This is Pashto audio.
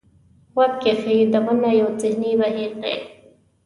غوږ کېښودنه یو ذهني بهیر دی.